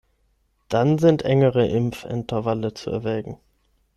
Dann sind engere Impf-Intervalle zu erwägen.